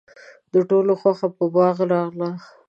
د ټولو خوښه په باغ راغله.